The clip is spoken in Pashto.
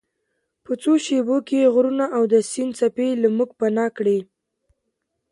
په څو شیبو کې یې غرونه او د سیند څپې له موږ پناه کړې.